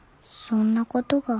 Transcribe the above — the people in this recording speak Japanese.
そんなことが。